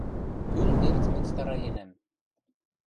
Кӱн верц мӹнь стараенӓм?